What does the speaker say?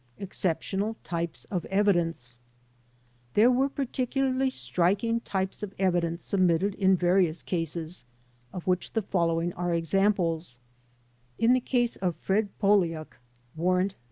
Exceptional Types of Evidence There were particularly striking types of evidence submitted in various cases, of which the following are examples : In the case of Fred Poliuk (Warrant No.